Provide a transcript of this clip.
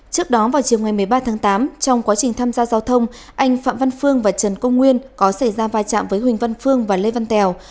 trước đó vào chiều ngày một mươi ba tháng tám trong quá trình tham gia giao thông anh phạm văn phương và trần công nguyên có xảy ra vai trạm với huỳnh văn phương và lê văn tèo